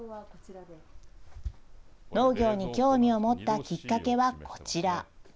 農業に興味を持ったきっかけはこちら。